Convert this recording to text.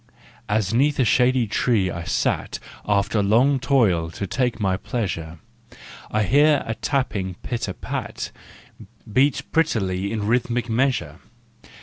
As 'neath a shady tree I sat After long toil to take my pleasure, I heard a tapping " pit a pat " Beat prettily in rhythmic measure.